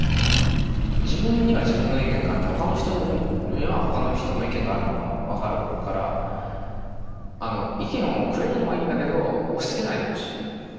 自分には自分の意見があってほかの人にはほかの人の意見があるのは分かるから意見をくれるのはいいんだけど押しつけないでほしい。